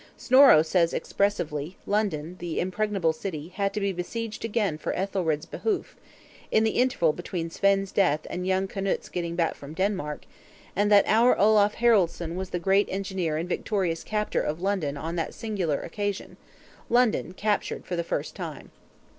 Snorro says expressly, London, the impregnable city, had to be besieged again for Ethelred's behoof (in the interval between Svein's death and young Knut's getting back from Denmark), and that our Olaf Haraldson was the great engineer and victorious captor of London on that singular occasion, London captured for the first time.